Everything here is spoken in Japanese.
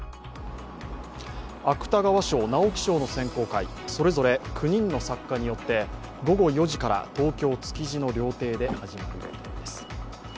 芥川賞・直木賞の選考会、それぞれ９人の作家によって午後４時から東京・築地の料亭で始まります。